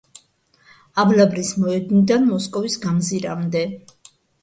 ავლაბრის მოედნიდან მოსკოვის გამზირამდე.